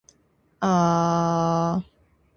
好きと好きだったの想さと感情は、きっと別なんだよね。